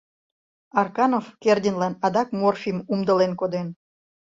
Арканов Кердинлан адак морфийым умдылен коден.